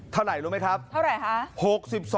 เท่าไหร่รู้ไหมครับเท่าไหร่คะ